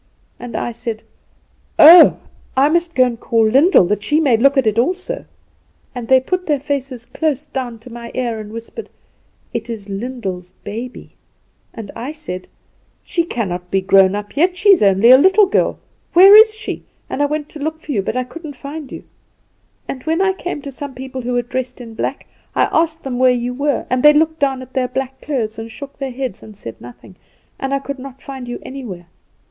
And I said: 'Oh, I must go and call Lyndall, that she may look at it also.' "And they put their faces close down to my ear and whispered: 'It is Lyndall's baby.' "And I said: 'She cannot be grown up yet; she is only a little girl! Where is she?' And I went to look for you, but I could not find you. "And when I came to some people who were dressed in black, I asked them where you were, and they looked down at their black clothes, and shook their heads, and said nothing; and I could not find you anywhere.